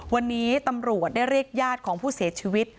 วันนี้ตำรวจได้เรียกญาติของผู้เสียชีวิต